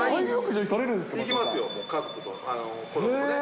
行きますよ、家族と、子どもとね。